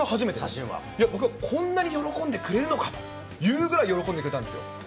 僕、こんなに喜んでくれるのかというぐらい喜んでくれたんですよ。